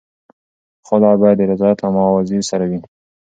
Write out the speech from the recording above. خلع باید د رضایت او معاوضې سره وي.